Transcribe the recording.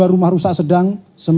dua puluh dua rumah rusak sedang